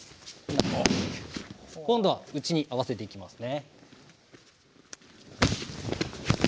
今度は打ちに合わせていきますね。